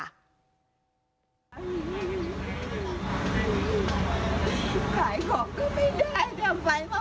ขายของก็ไม่ได้แต่ไฟมาให้ห้องนี้คือ